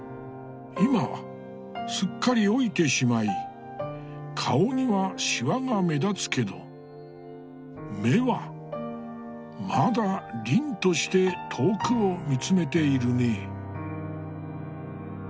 今はすっかり老いてしまい顔にはシワが目立つけど目はまだ凜として遠くを見つめているね。